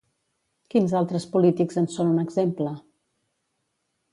Quins altres polítics en són un exemple?